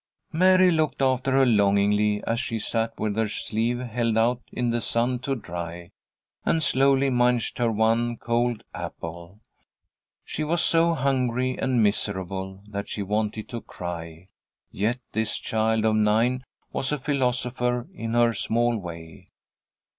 Mary looked after her longingly, as she sat with her sleeve held out in the sun to dry, and slowly munched her one cold apple. She was so hungry and miserable that she wanted to cry, yet this child of nine was a philosopher in her small way.